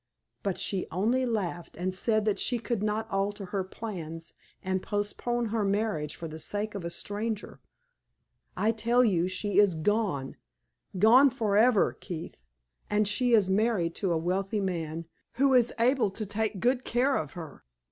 But she only laughed and said that she could not alter her plans and postpone her marriage for the sake of a stranger. I tell you she is gone gone forever, Keith; and she is married to a wealthy man, who is able to take good care of her.